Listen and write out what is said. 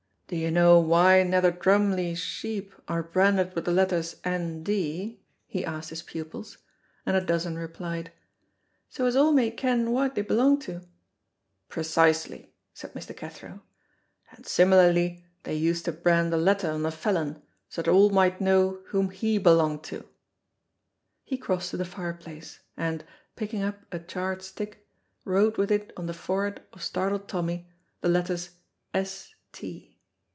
"Do you know why Nether Drumgley's sheep are branded with the letters N.D.?" he asked his pupils, and a dozen replied, "So as all may ken wha they belong to." "Precisely," said Mr. Cathro, "and similarly they used to brand a letter on a felon, so that all might know whom he belonged to." He crossed to the fireplace, and, picking up a charred stick, wrote with it on the forehead of startled Tommy the letters "S.T."